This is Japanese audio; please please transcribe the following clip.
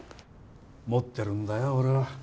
持ってるんだよ俺は。